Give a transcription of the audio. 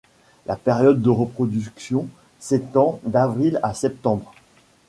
La période de reproduction s'étend d'avril à septembre.